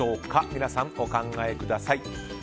皆さん、お考えください。